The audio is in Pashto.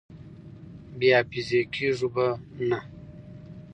بې حافظې کېږو به نه!